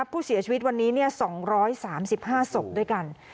ผู้เสียชีวิตวันนี้๒๓๕ศพด้วยกัน